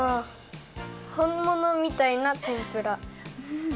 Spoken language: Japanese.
ほんものみたいなてんぷら。